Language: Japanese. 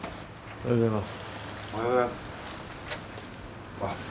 おはようございます。